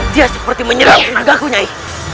dia seperti menyerang tenagaku nyai